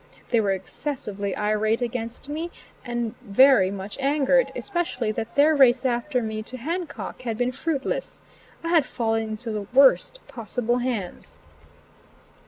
They were excessively irate against me and very much angered, especially that their race after me to Hancock had been fruitless. I had fallen into the worst possible hands.